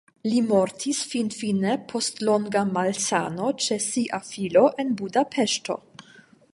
Li mortis finfine post longa malsano ĉe sia filo en Budapeŝto.